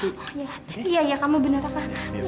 iya iya kamu bener apa